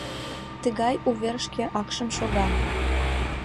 — Тыгай увер шке акшым шога!